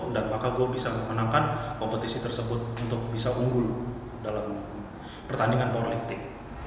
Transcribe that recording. dan maka gue bisa memenangkan kompetisi tersebut untuk bisa unggul dalam pertandingan powerlifting